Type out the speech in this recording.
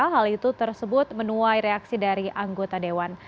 hal itu tersebut menuai reaksi dari anggota dewan